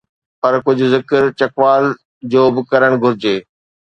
پر ڪجهه ذڪر چکوال جو به ڪرڻ گهرجي.